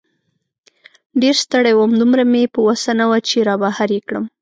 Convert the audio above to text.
ډېر ستړی وم، دومره مې په وسه نه وه چې را بهر یې کړم.